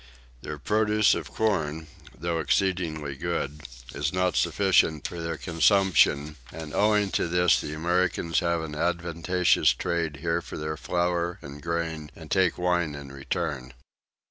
Their produce of corn, though exceedingly good, is not sufficient for their consumption; and owing to this the Americans have an advantageous trade here for their flour and grain, and take wine in return.